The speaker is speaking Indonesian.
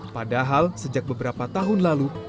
padahal sejak beberapa tahun lalu